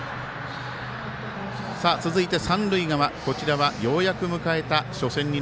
続いて三塁側、こちらはようやく迎えた初戦。